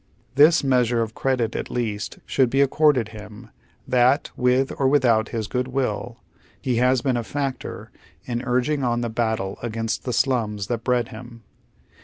This t of credit at least should be accorded him, that, with or without his good will, he has been a factor in urging on the battle against the slums that bred him.